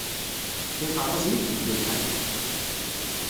D ixerrazen i iteddun ḥafi.